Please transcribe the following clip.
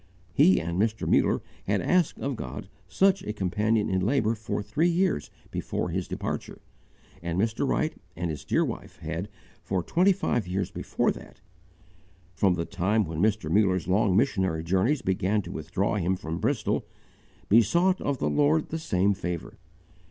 He and Mr. Muller had asked of God such a companion in labour for three years before his departure, and Mr. Wright and his dear wife had, for twenty five years before that from the time when Mr. Muller's long missionary tours began to withdraw him from Bristol besought of the Lord the same favour.